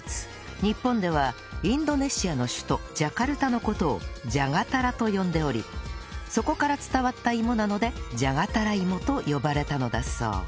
日本ではインドネシアの首都ジャカルタの事を「ジャガタラ」と呼んでおりそこから伝わったいもなので「じゃがたらいも」と呼ばれたのだそう